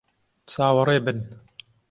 چاوەڕێ بن!